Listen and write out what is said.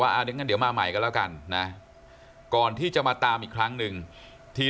ว่าเดี๋ยวมาใหม่ก็แล้วกันนะก่อนที่จะมาตามอีกครั้งนึงที